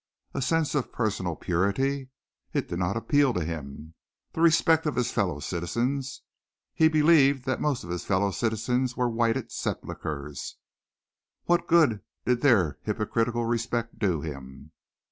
A sense of personal purity? It did not appeal to him. The respect of his fellow citizens? He believed that most of his fellow citizens were whited sepulchres. What good did their hypocritical respect do him?